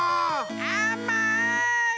あまい！